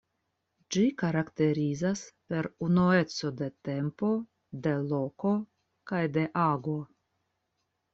Ĝi karakterizas per unueco de tempo, de loko kaj de ago.